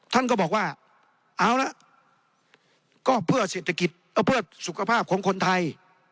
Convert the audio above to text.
ท่านก็บอกว่าเอาละก็เพื่อเศรษฐกิจเพื่อสุขภาพของคนไทย